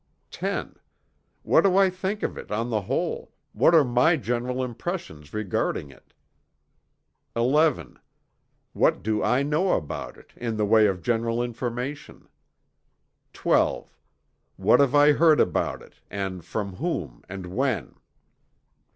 X. What do I think of it, on the whole what are my general impressions regarding it? XI. What do I know about it, in the way of general information? XII. What have I heard about it, and from whom, and when?